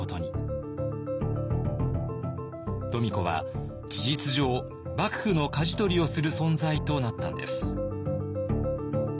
富子は事実上幕府のかじ取りをする存在となったんです。